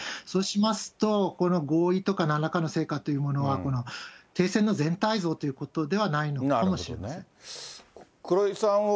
そうしますと、この合意とかなんらかの成果というものは、停戦の全体像ということではないのかもしれません。